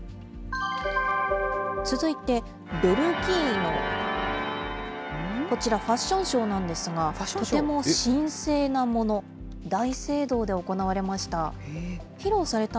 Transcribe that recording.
続いて、ベルギーのこちら、ファッションショーなんですが、とても神聖なもの、大聖堂で行われました。